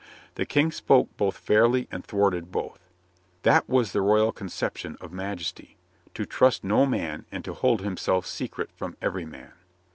The King spoke both fairly and thwarted both. That was the royal conception of majesty — to trust no man and to hold himself secret from every man.